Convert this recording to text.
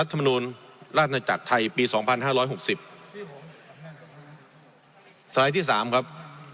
สไลด์ที่๓ครับ